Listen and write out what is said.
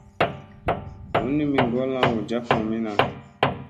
Bunni mi ŋgolla hu jaf mamina.